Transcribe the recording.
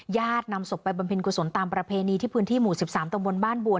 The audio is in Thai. ญาตินำศพไปบำเพ็ญกุศลตามประเพณีที่พื้นที่หมู่๑๓ตำบลบ้านบัว